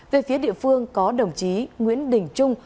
về phía địa phương có đồng chí nguyễn đình trung